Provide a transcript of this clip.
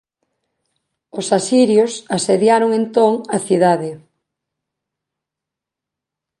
Os asirios asediaron entón a cidade.